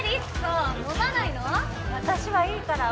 私はいいから。